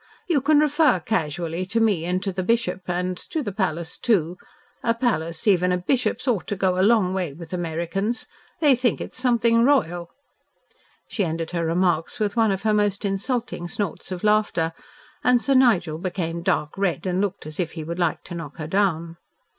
You can refer casually to me and to the Bishop and to the Palace, too. A Palace even a Bishop's ought to go a long way with Americans. They will think it is something royal." She ended her remarks with one of her most insulting snorts of laughter, and Sir Nigel became dark red and looked as if he would like to knock her down.